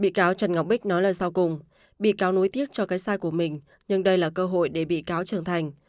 bị cáo trần ngọc bích nói lời sau cùng bị cáo nối tiếp cho cái sai của mình nhưng đây là cơ hội để bị cáo trưởng thành